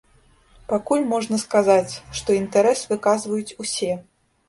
Пакуль можна сказаць, што інтарэс выказваюць усе.